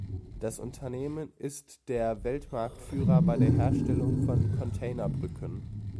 Das Unternehmen ist der Weltmarktführer bei der Herstellung von Containerbrücken.